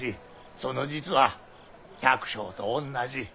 その実は百姓とおんなじ。